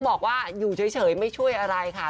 บอกว่าอยู่เฉยไม่ช่วยอะไรค่ะ